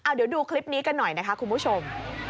เดี๋ยวดูคลิปนี้กันหน่อยนะคะคุณผู้ชม